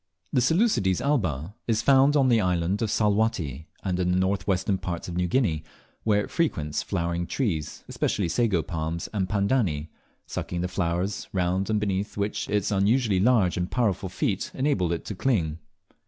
The Seleucides alba is found in the island of Salwatty, and in the north western parts of New Guinea, where it frequents flowering trees, especially sago palms and pandani, sucking the flowers, round and beneath which its unusually large and powerful feet enable it to cling.